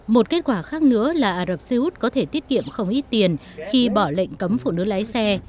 một kết quả khác nữa là ả rập xê út có thể tiết kiệm không ít tiền khi bỏ lệnh cấm phụ nữ lái xe